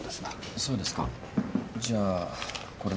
そうですかじゃあこれで。